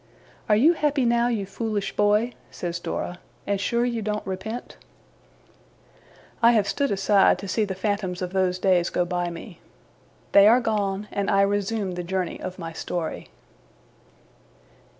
'Are you happy now, you foolish boy?' says Dora, 'and sure you don't repent?' I have stood aside to see the phantoms of those days go by me. They are gone, and I resume the journey of my story.